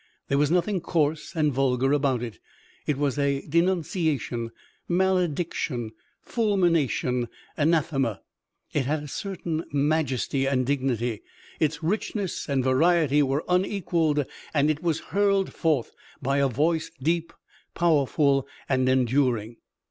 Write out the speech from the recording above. There was nothing coarse and vulgar about it. It was denunciation, malediction, fulmination, anathema. It had a certain majesty and dignity. Its richness and variety were unequaled, and it was hurled forth by a voice deep, powerful and enduring.